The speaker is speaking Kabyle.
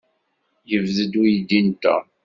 Yebded uydi n Tom.